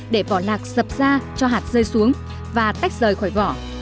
để vỏ lạc dập ra cho hạt rơi xuống và tách rời khỏi vỏ